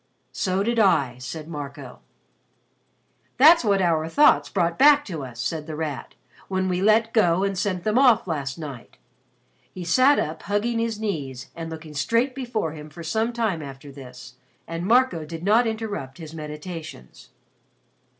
"So did I," said Marco. "That's what our thoughts brought back to us," said The Rat, "when we 'let go' and sent them off last night." He sat up hugging his knees and looking straight before him for some time after this, and Marco did not interrupt his meditations.